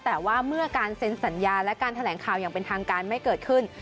แต่ว่าเมื่อการเซ็นสัญญาและการแถลงข่าวอย่างเป็นทางการไม่เกิดขึ้น